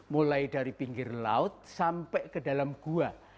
mulai dari pinggir laut sampai ke dalam gua